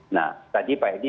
nah tadi pak edi